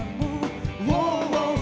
untuk jadi pacarmu